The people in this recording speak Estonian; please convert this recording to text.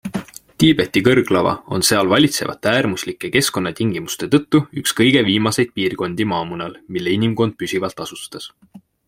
Tiibeti kõrglava on seal valitsevate äärmuslike keskkonnatingimuste tõttu üks kõige viimaseid piirkondi maamunal, mille inimkond püsivalt asustas.